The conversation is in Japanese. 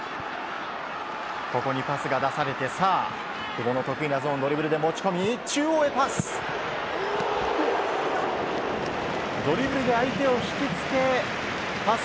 ここにパスが出されて久保の得意なゾーンに持ち込み中央へパス。